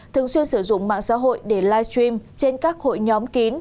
thường xuyên sử dụng mạng xã hội để live stream trên các hội nhóm kín